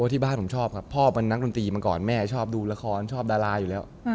ที่บ้านผมชอบครับพ่อเป็นนักดนตรีมาก่อนแม่ชอบดูละครชอบดาราอยู่แล้ว